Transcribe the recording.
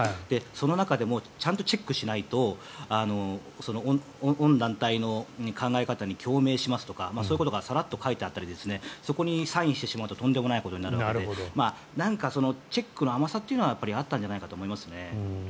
その中でもちゃんとチェックしないと御団体の考え方に共鳴しますとか、そういうことがサラッと書いてあったりそこにサインしてしまうととんでもないことになるのでチェックの甘さというのはやっぱりあったんじゃないかと思います。